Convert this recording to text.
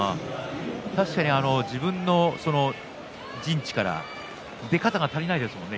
確かに自分の陣地から出方が足りないですね